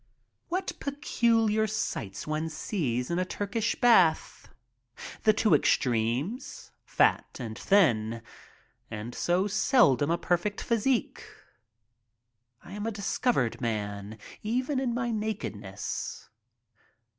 What peculiar sights one sees in a Turkish bath. The two extremes, fat and thin, and so seldom a perfect physique. I am a discovered man — even in my nakedness.